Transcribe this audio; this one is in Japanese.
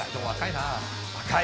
若い。